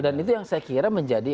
itu yang saya kira menjadi